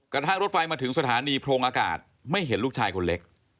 กระทั่งรถไฟมาถึงสถานีโพรงอากาศไม่เห็นลูกชายคนเล็ก